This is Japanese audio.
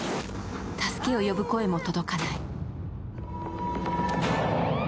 助けを呼ぶ声も届かない。